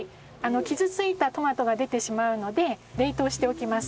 傷ついたトマトが出てしまうので冷凍しておきます。